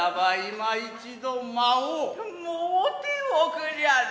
舞うておくりゃれ。